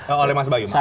eh oleh mas bagimah